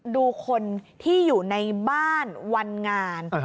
ดูคนที่อยู่ในบ้านวันงาน